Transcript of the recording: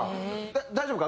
大丈夫か？